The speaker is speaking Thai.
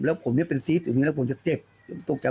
แล้วผมเป็นซีฟต์อยู่นี้แล้วผมจะเจ็บตกใจ